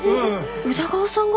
宇田川さんが？